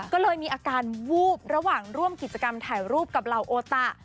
ก็เลยมีอาการวูบระหว่างร่วมกิจกรรมถ่ายรูปกับเหล่าโอตะ